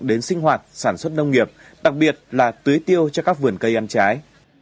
đến sinh hoạt sản xuất nông nghiệp đặc biệt là tưới tiêu cho các vườn cây ăn trái